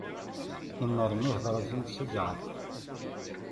Imir-nni, ihder-asen-d s zzɛaf.